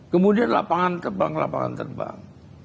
kemudian lapangan terbang lapangan terbang